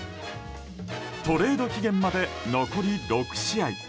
トレード期限まで残り６試合。